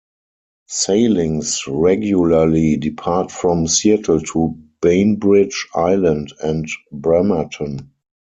Sailings regularly depart from Seattle to Bainbridge Island and Bremerton.